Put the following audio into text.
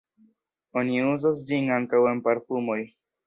Oni uzas ĝin ankaŭ en parfumoj.